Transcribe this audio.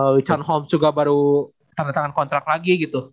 richard holmes juga baru tanda tanda kontrak lagi gitu